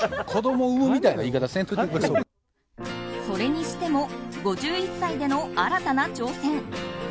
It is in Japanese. それにしても５１歳での新たな挑戦。